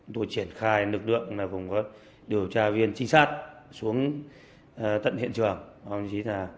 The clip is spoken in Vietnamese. điều tra viên trinh sát xuống tận hiện trường